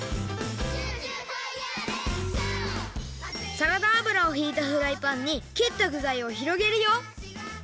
サラダあぶらをひいたフライパンにきったぐざいをひろげるよ。